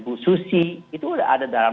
bu susi itu udah ada dalam